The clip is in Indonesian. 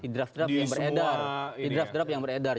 di draft draft yang beredar